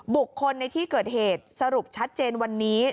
บุคคลในที่เกิดเหตุสรุปชัดเจนวันนี้